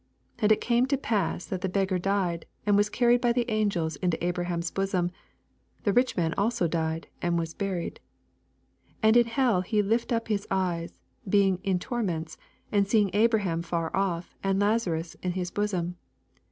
22 And it came to pass^ that the beggar died, and was earned by the angels into Abraham's bosom : the rich man also died, and was buried : 28 And in hell he lift up his eyes, being in torments, and seeth Abraham afar otf, and Lazarus in his bosom.